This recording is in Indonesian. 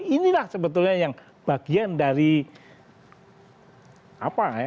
ini lah sebetulnya yang bagian dari apa ya